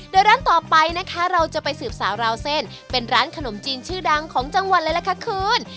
โดยร้านต่อไปนะคะเราจะไปสืบสาวราวเส้นเป็นร้านขนมจีนชื่อดังของจังหวัดเลยล่ะค่ะคุณ